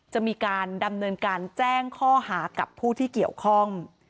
จะมีการดำเนินการแจ้งข้อหากับผู้ที่เกี่ยวข้อง